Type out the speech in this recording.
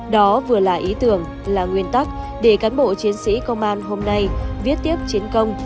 đó vừa là ý tưởng là nguyên tắc để cán bộ chiến sĩ công an hôm nay viết tiếp chiến công